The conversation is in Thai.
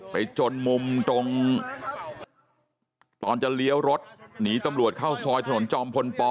จนมุมตรงตอนจะเลี้ยวรถหนีตำรวจเข้าซอยถนนจอมพลป